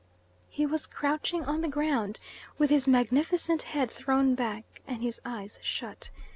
He was crouching on the ground, with his magnificent head thrown back and his eyes shut.